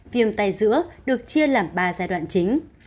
viêm tay giữa được chia làm ba giai đoạn chính